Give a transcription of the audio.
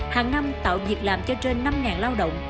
hàng năm tạo việc làm cho trên năm lao động